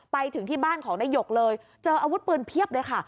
ไปถึงที่บ้านของนายหยกเลยเจออาวุธปืนเพียบเลยค่ะ